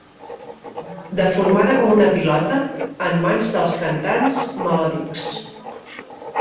Deformada com una pilota en mans dels cantants melòdics.